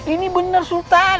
ini bener sultan